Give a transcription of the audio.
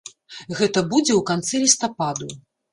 Гэта будзе ў канцы лістападу.